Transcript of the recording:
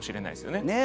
ねえ？